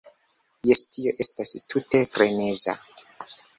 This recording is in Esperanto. Jes, tio estas tute freneza.